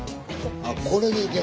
あこれでいける。